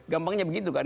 gampangnya begitu kan